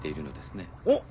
おっ。